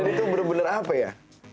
dan itu bener bener apa ya